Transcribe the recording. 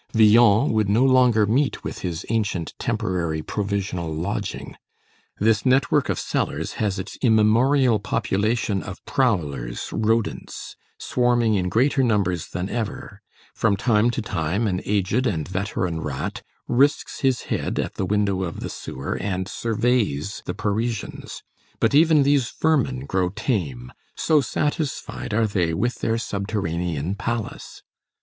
Villon would no longer meet with his ancient temporary provisional lodging. This network of cellars has its immemorial population of prowlers, rodents, swarming in greater numbers than ever; from time to time, an aged and veteran rat risks his head at the window of the sewer and surveys the Parisians; but even these vermin grow tame, so satisfied are they with their subterranean palace.